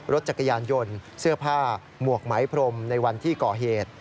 รถจักรยานยนต์เสื้อผ้าหมวกไหมพรมในวันที่ก่อเหตุ